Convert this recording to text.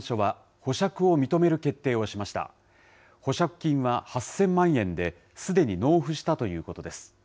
保釈金は８０００万円で、すでに納付したということです。